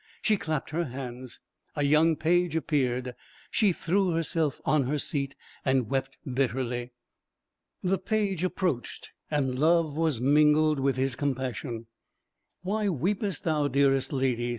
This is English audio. She clapped her hands; a young page appeared; she threw herself on her seat and wept bitterly. The page approached, and love was mingled with his compassion. "Why weepest thou, dearest lady?"